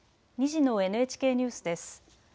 ２時のＮＨＫニュースです。